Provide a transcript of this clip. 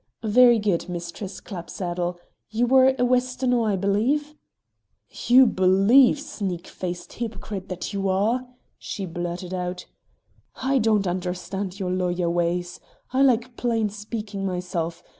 "Very good, Mistress Clapsaddle. You were a Westonhaugh, I believe?" "You believe, sneak faced hypocrite that you are!" she blurted out. "I don't understand your lawyer ways. I like plain speaking myself.